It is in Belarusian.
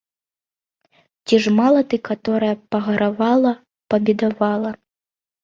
Ці ж мала ты каторая пагаравала, пабедавала?